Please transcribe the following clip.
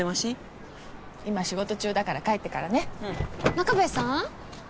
真壁さん？